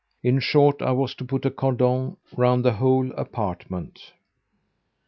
In short, I was to put a cordon round the whole apartment.